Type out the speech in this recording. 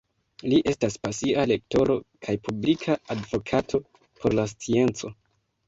Li estas pasia lektoro kaj publika advokato por la scienco.